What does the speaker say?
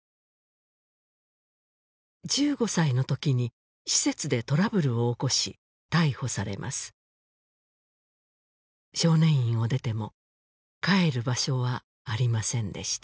１５歳の時に施設でトラブルを起こし逮捕されます少年院を出ても帰る場所はありませんでした